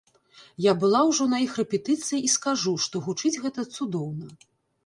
Я была ўжо на іх рэпетыцыі і скажу, што гучыць гэта цудоўна.